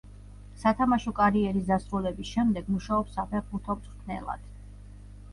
სათამაშო კარიერის დასრულების შემდეგ მუშაობს საფეხბურთო მწვრთნელად.